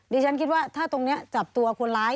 ดิฉันคิดว่าถ้าตรงนี้จับตัวคนร้าย